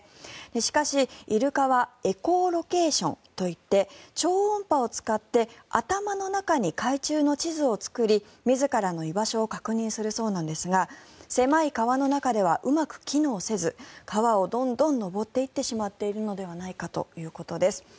しかし、イルカはエコーロケーションといって超音波を使って頭の中に海中の地図を作り自らの居場所を確認するそうなんですが狭い川の中ではうまく機能せず川をどんどん上っていってしまうのではないかということです。